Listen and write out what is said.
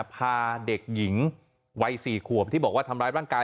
พาเด็กหญิงวัย๔ขวบที่บอกว่าทำร้ายร่างกาย